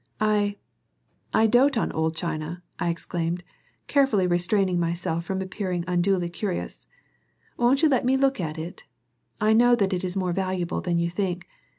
"I I dote on old china," I exclaimed, carefully restraining myself from appearing unduly curious. "Won't you let me look at it? I know that it is more valuable than you think.